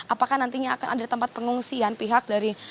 apakah nantinya akan ada tempat pengungsian pihak dari